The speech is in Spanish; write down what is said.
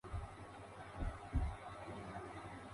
calla un momento y luego, en tono misterioso, añade: